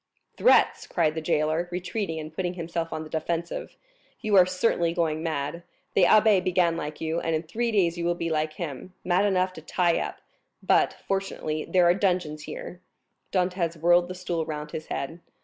"Threats!" cried the jailer, retreating and putting himself on the defensive; "you are certainly going mad. The abbé began like you, and in three days you will be like him, mad enough to tie up; but, fortunately, there are dungeons here." Dantès whirled the stool round his head.